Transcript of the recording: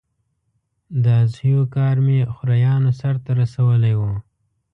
د اضحیو کار مې خوریانو سرته رسولی و.